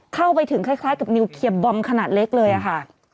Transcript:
เข้าไปถึงคล้ายกับนิวเคลียร์บอมขนาดเล็กเลยค่ะ